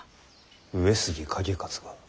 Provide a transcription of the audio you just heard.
上杉景勝が？